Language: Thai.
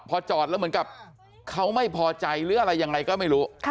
พอจอดแล้วเหมือนกับเขาไม่พอใจหรืออะไรยังไงก็ไม่รู้